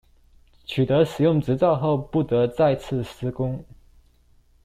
取得使用執照後不得再次施工